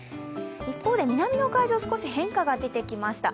一方で南の海上、少し変化が出てきました。